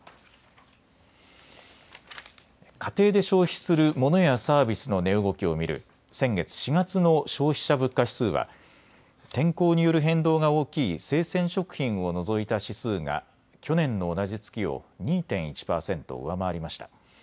家庭で消費するモノやサービスの値動きを見る先月４月の消費者物価指数は天候による変動が大きい生鮮食品を除いた指数が去年の同じ月を２．１％上回りました。